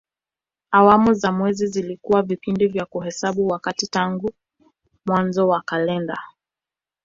Awamu za mwezi zilikuwa vipindi vya kuhesabu wakati tangu mwanzo wa kalenda.